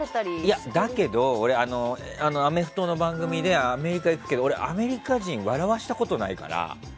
いや、だけど俺アメフトの番組でアメリカに行くけど俺、アメリカ人笑わせたことないから。